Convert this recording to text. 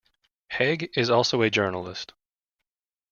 Hague is also a journalist.